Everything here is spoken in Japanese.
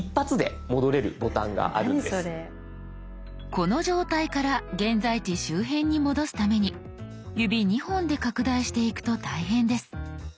この状態から現在地周辺に戻すために指２本で拡大していくと大変です。